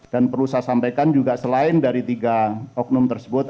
dan perlu saya sampaikan juga selain dari tiga oknum tersebut